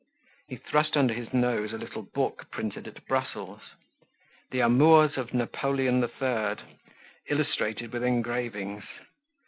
He thrust under his nose a little book printed at Brussels. "The Amours of Napoleon III.," Illustrated with engravings.